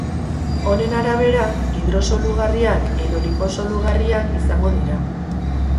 Honen arabera, hidrosolugarriak edo liposolugarriak izango dira.